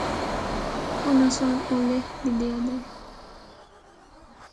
اُناں سنڑ او لکھ گدیا دا ہے۔